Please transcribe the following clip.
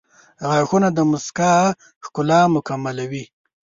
• غاښونه د مسکا ښکلا مکملوي.